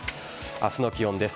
明日の気温です。